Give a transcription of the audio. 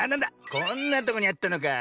こんなとこにあったのかあ。